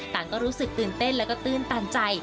ต่างก็รู้สึกตื่นเต้นและตื่นตันใจ